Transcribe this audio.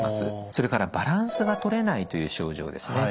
それからバランスがとれないという症状ですね